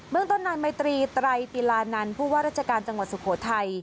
เมืองต้นนายมัยตรีไตรติลานันต์ผู้ว่าราชการจังหวัดสุโขทัย